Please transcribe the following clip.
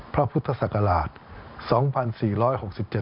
พระพุทธศักราช